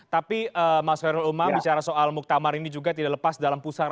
tapi mas gunter omli bicara soal muktamar ini juga tidak lepas dalam pusat